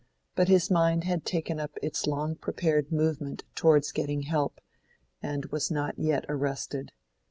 But his mind had taken up its long prepared movement towards getting help, and was not yet arrested.